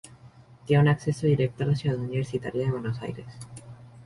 Tiene un acceso directo a la Ciudad Universitaria de Buenos Aires.